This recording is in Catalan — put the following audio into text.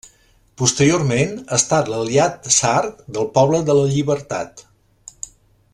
Posteriorment ha estat l'aliat sard del Poble de la Llibertat.